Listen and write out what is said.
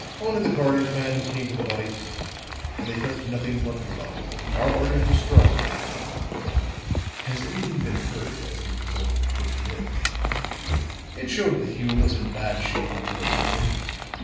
"Only the coroner's man, who came for the body. And they touched nothing but the body. Our orders were strong on that." "Has anything been heard as the result of the post mortem?" "It showed that Hume was in bad shape from too much drink.